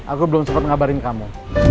aku belum sempat ngabarin kamu